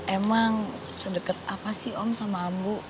emang sedekat apa sih om sama ambu